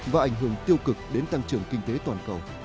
và ảnh hưởng tiêu cực đến tăng trưởng kinh tế toàn cầu